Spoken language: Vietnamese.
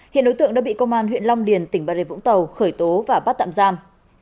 hiện đối tượng đã bị công an huyện long điền tỉnh bà rịa vũng tàu khởi tố và bắt tạm giam